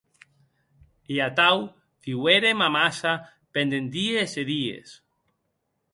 E atau viuérem amassa pendent dies e dies.